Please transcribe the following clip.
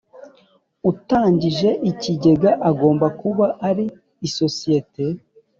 Utangije ikigega agomba kuba ari isosiyete